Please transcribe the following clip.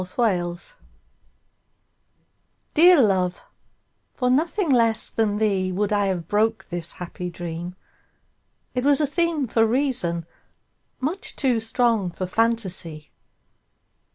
The Dream DEAR love, for nothing less than theeWould I have broke this happy dream; It was a themeFor reason, much too strong for fantasy.